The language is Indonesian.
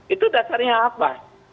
itu dasarnya apa